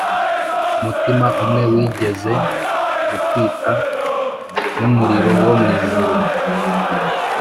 umutima umwe wigeze gutwita numuriro wo mwijuru;